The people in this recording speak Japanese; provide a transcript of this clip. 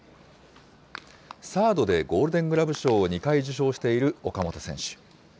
サードでゴールデン・グラブ賞を２回受賞している岡本選手。